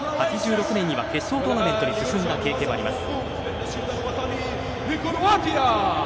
８６年には、決勝トーナメントに進んだ経験もあります。